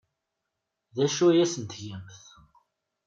D acu ay asen-tgamt?